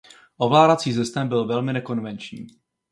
Ovládací systém byl velmi nekonvenční.